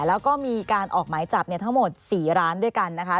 แล้วก็มีการออกหมายจับทั้งหมด๔ร้านด้วยกันนะคะ